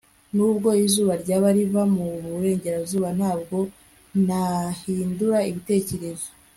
nubwo izuba ryaba riva mu burengerazuba, ntabwo nahindura ibitekerezo